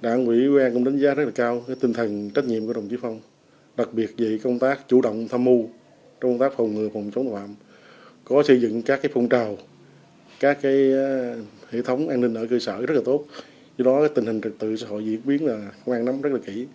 đảng quỹ quang cũng đánh giá rất là cao tinh thần trách nhiệm của đồng chí phong đặc biệt vì công tác chủ động tham mưu trong công tác phòng ngừa phòng chống phạm có xây dựng các phong trào các hệ thống an ninh ở cơ sở rất là tốt do đó tình hình trực tự xã hội diễn biến là công an nắm rất là kỹ